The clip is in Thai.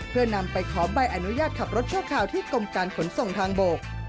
เพื่อนำไปขอใบอนุญาตขับรถชั่วคราวที่กรมการขนส่งทางบก